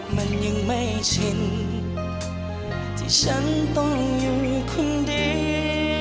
มันยังไม่ชินที่ฉันต้องอยู่คนเดียว